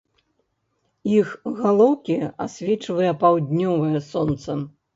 Іх галоўкі асвечвае паўднёвае сонца.